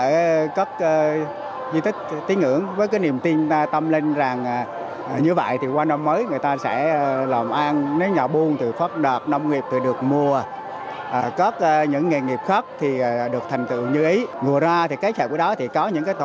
ở các di tích tiếng ưỡng với cái niềm tin tâm lòng tự nhiên nói lại thì chuyện này cũng dễ thương đặc biệt